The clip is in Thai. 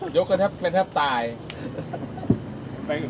โย๊กโต๊ยเห็นไหม